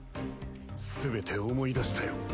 すべて思い出したよ。